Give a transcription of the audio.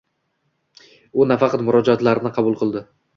U nafaqat murojaatlarni qabul qildi